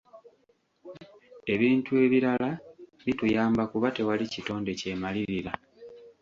Ebintu ebirala bituyamba kuba tewali kitonde kyemalirira.